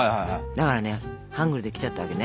だからねハングルできちゃったわけね。